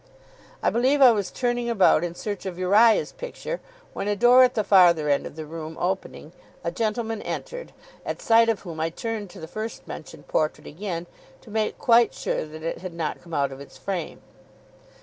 I believe I was turning about in search of Uriah's picture, when, a door at the farther end of the room opening, a gentleman entered, at sight of whom I turned to the first mentioned portrait again, to make quite sure that it had not come out of its frame.